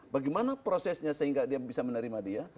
bagaimana prosesnya sehingga dia bisa menerima dia